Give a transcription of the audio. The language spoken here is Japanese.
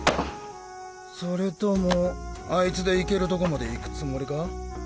それともあいつで行けるとこまで行くつもりか？